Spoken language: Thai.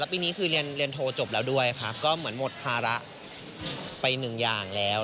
ปีนี้คือเรียนโทรจบแล้วด้วยค่ะก็เหมือนหมดภาระไปหนึ่งอย่างแล้ว